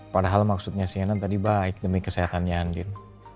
padahal maksudnya si ana tadi baik demi kesehatannya andin